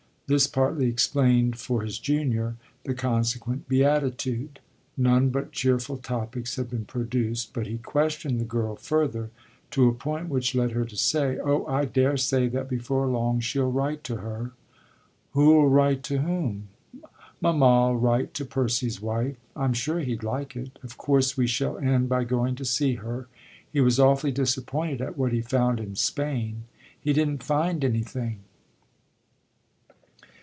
This partly explained, for his junior, the consequent beatitude none but cheerful topics had been produced; but he questioned the girl further to a point which led her to say: "Oh I daresay that before long she'll write to her." "Who'll write to whom?" "Mamma'll write to Percy's wife. I'm sure he'd like it. Of course we shall end by going to see her. He was awfully disappointed at what he found in Spain he didn't find anything."